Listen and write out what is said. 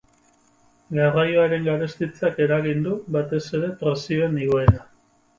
Garraioaren garestitzeak eragin du, batez ere, prezioen igoera.